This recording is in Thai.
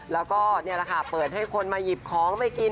แล้วก็นี่แหละค่ะเปิดให้คนมาหยิบของไปกิน